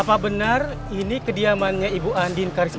apa benar ini kediamannya ibu andien karissa